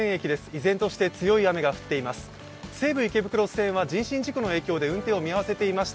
依然として強い雨が降っています。